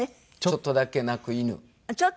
ちょっとだけ鳴く犬？